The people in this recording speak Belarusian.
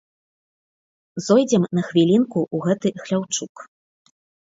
Зойдзем на хвілінку ў гэты хляўчук.